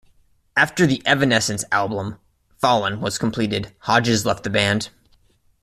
After the Evanescence album "Fallen" was completed, Hodges left the band.